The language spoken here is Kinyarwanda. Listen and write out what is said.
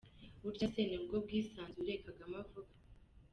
Burya se nibwo bwisanzure Kagame avuga?!